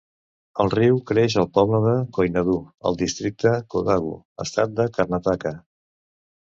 El riu creix al poble Koinadu al districte Kodagu, estat de Karnataka.